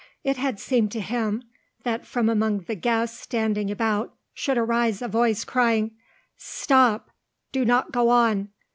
It had seemed to him that from among the guests standing about should arise a voice crying, "Stop! Do not go on!